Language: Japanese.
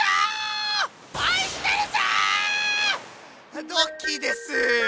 あドッキーです！